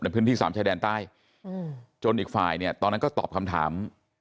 พื้นที่สามชายแดนใต้จนอีกฝ่ายเนี่ยตอนนั้นก็ตอบคำถาม